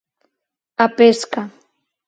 A pesca: